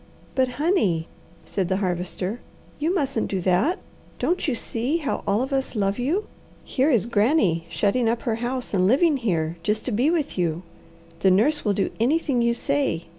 "But, honey," said the Harvester, "you mustn't do that! Don't you see how all of us love you? Here is Granny shutting up her house and living here, just to be with you. The nurse will do anything you say.